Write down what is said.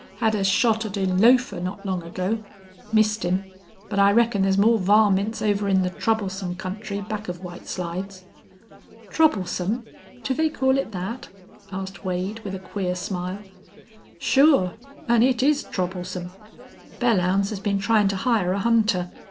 Had a shot at a lofer not long ago. Missed him. But I reckon thar's more varmints over in the Troublesome country back of White Slides." "Troublesome! Do they call it that?" asked Wade, with a queer smile. "Sure. An' it is troublesome. Belllounds has been tryin' to hire a hunter.